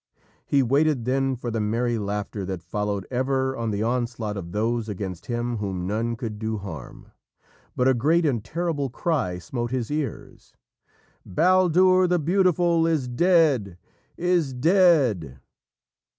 He waited, then, for the merry laughter that followed ever on the onslaught of those against him whom none could do harm. But a great and terrible cry smote his ears. "_Baldur the Beautiful is dead! is dead!